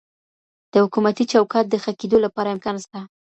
د حکومتي چوکاټ د ښه کیدو لپاره امکان سته.